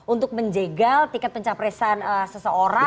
untuk menjegal tiket pencapresan seseorang